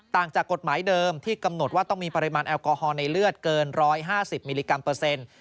ต่างจากกฎหมายเดิมที่กำหนดว่าต้องมีปริมาณแอลกอฮอลในเลือดเกิน๑๕๐มิลลิกรัมเปอร์เซ็นต์